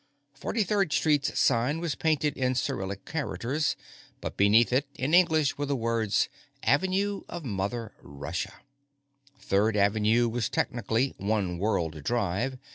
43rd Street's sign was painted in Cyrillic characters, but beneath it, in English, were the words "Avenue of Mother Russia." Third Avenue was technically One World Drive.